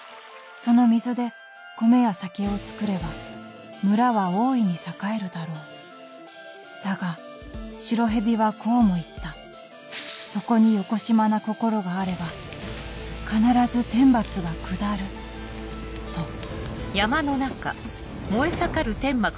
「その水で米や酒をつくれば村は大いに栄えるだろう」だが白蛇はこうも言った「そこに邪な心があれば必ず天罰が下る」とあ。